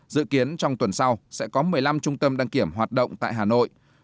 dự kiến trong tuần sau sẽ có một mươi năm trung tâm đăng kiểm hoạt động tại hà nội